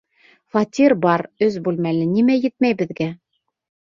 Фатир бар, өс бүлмәле, нимә етмәй беҙгә?